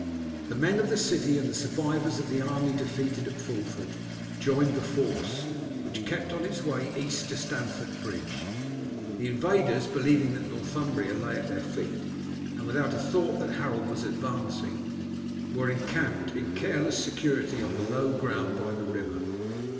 The men of the city and the survivors of the army defeated at Fulford joined the force, which kept on its way east to Stamford Bridge. The invaders, believing that Northumbria lay at their feet, and without a thought that Harold was advancing, were encamped in careless security on the low ground by the river.